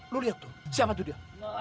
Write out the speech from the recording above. lo liat tuh siapa tuh dia